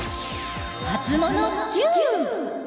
ハツモノＱ！